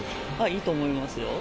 いいと思いますよ。